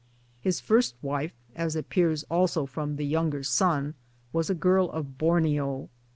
His first wife (as appears also from The Younger Son) was a girl of Borneo.